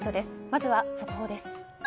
まずは速報です。